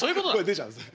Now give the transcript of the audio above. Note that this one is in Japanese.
出ちゃうんです。